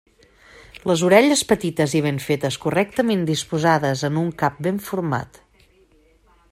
Les orelles petites i ben fetes, correctament disposades en un cap ben format.